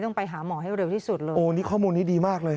ต้องไปหาหมอให้เร็วที่สุดเลยโอ้นี่ข้อมูลนี้ดีมากเลย